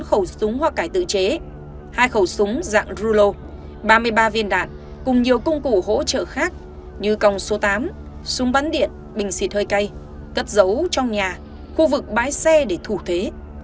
hai khẩu súng hoa cải tự chế hai khẩu súng dạng rulo ba mươi ba viên đạn cùng nhiều công cụ hỗ trợ khác như còng số tám súng bắn điện bình xịt hơi cay cất giấu trong nhà khu vực bãi xe để thủ thế